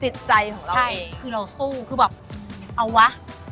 จิตใจของเราคือเราสู้คือแบบเอาวะ